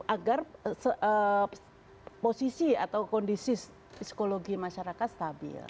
agar posisi atau kondisi psikologi masyarakat stabil